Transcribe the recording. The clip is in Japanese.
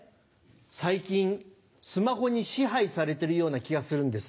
最近スマホに支配されてるような気がするんです。